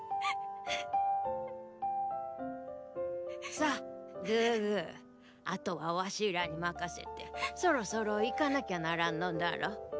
さあグーグーあとはワシらに任せてそろそろ行かなきゃならんのだろう？